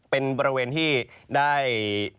เป็นบริเวณที่ได้